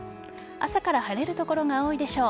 朝から晴れる所が多いでしょう。